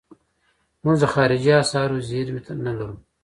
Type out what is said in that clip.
موږ د خارجي اسعارو زیرمې نه لرو.